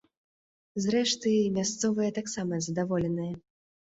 Зрэшты, мясцовыя таксама задаволеныя.